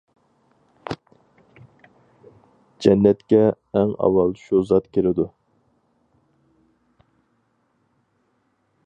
جەننەتكە ئەڭ ئاۋۋال شۇ زات كىرىدۇ.